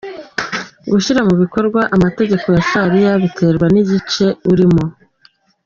Gushyira mu bikorwa amategeko ya shariya biterwa n’igice arimo.